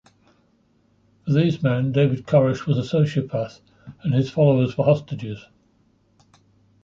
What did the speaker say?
For these men, David Koresh was a sociopath, and his followers were hostages.